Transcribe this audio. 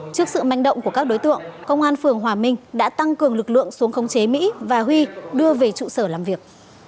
trước sự manh động của các đối tượng công an phường hòa minh đã tăng cường lực lượng xuống khống chế mỹ và huy đưa về trụ sở làm việc